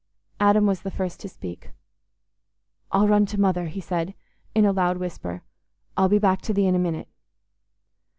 Adam was the first to speak. "I'll run to Mother," he said, in a loud whisper. "I'll be back to thee in a minute."